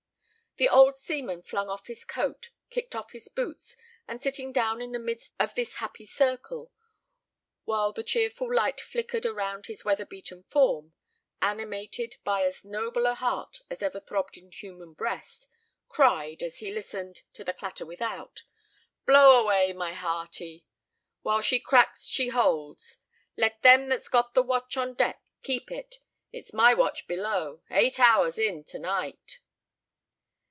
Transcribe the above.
The old seaman flung off his coat, kicked off his boots, and sitting down in the midst of this happy circle, while the cheerful light flickered around his weather beaten form, animated by as noble a heart as ever throbbed in human breast, cried, as he listened to the clatter without, "Blow away, my hearty; while she cracks she holds; let them that's got the watch on deck keep it; it's my watch below; eight hours in to night."